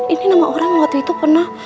ini nama orang waktu itu pernah